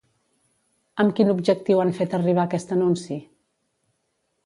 Amb quin objectiu han fet arribar aquest anunci?